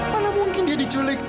malah mungkin dia diculik